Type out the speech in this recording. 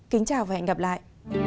kính chào và hẹn gặp lại